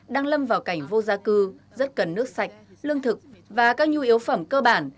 đang lâm vào cảnh vô gia cư rất cần nước sạch lương thực và các nhu yếu phẩm cơ bản